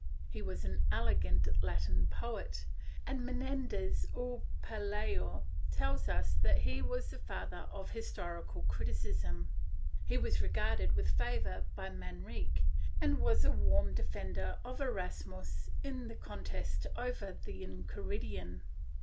He was an elegant Latin poet, and Menendez y Pelayo tells us that he was the father of historical criticism. He was regarded with favor by Manrique and was a warm defender of Erasmus in the contest over the Enchiridion.